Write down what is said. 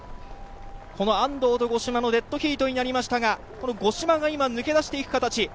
安藤と五島のデッドヒートになりましたが五島が今、抜け出していく形。